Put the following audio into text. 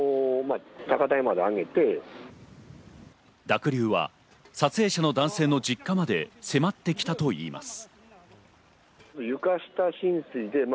濁流は撮影者の男性の実家まで迫ってきたといいます。